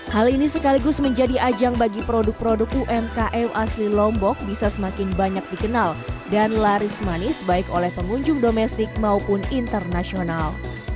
hal ini sekaligus menjadi ajang bagi produk produk umkm asli lombok bisa semakin banyak dikenal dan laris manis baik oleh pengunjung domestik maupun internasional